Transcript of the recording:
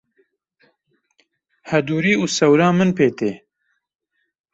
hedûrî û sewra min pê tê.